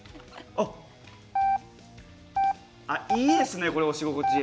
あいいですね、これ、押し心地。